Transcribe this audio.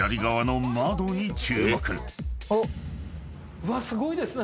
うわっすごいですね！